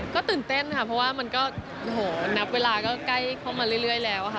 ก็ตื่นเต้นค่ะเพราะว่ามันก็นับเวลาก็ใกล้เข้ามาเรื่อยแล้วค่ะ